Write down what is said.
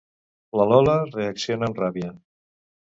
La Lola reacciona amb ràbia.